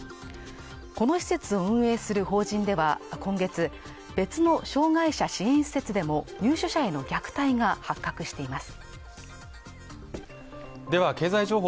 この施設を運営する法人では今月別の障害者支援施設でも入所者への虐待が発覚しています